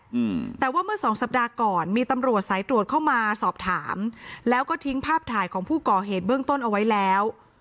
อืมแต่ว่าเมื่อสองสัปดาห์ก่อนมีตำรวจสายตรวจเข้ามาสอบถามแล้วก็ทิ้งภาพถ่ายของผู้ก่อเหตุเบื้องต้นเอาไว้แล้ว